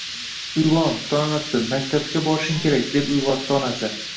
Uyg`on, tong otdi, maktabga borishing kerak, deb uyg`otdi onasi